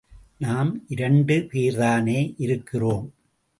நாம் இரண்டு பேர்தானே இருக்கிறோம்?